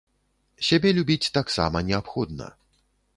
Сябе любіць таксама неабходна.